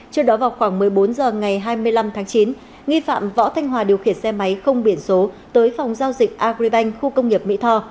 trước đó vào khoảng một mươi bốn h ngày hai mươi năm tháng chín nghi phạm võ thanh hòa điều khiển xe máy không biển số tới phòng giao dịch agribank khu công nghiệp mỹ tho